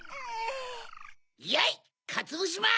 やいかつぶしまん！